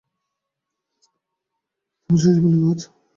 তখন শশী বলিল, ও আচ্ছা।